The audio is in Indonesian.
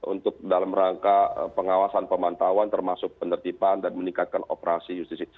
untuk dalam rangka pengawasan pemantauan termasuk penertiban dan meningkatkan operasi justisi